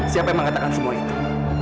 siapa yang mengatakan semua itu